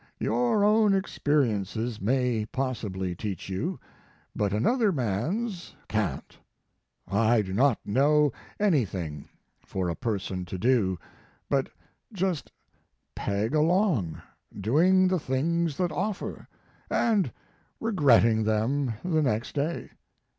Your own experiences may possibly teach you, but another man s can t. I do not know anything for a person to do but just peg along, doing the things that offer, and regretting them the next day.